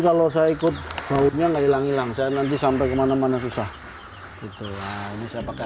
kalau saya ikut bautnya nggak hilang hilang saya nanti sampai kemana mana susah itu ini saya pakai